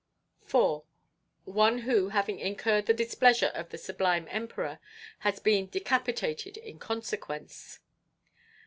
4. One who, having incurred the displeasure of the sublime Emperor, has been decapitated in consequence.